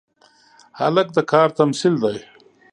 هلک د کار تمثیل دی.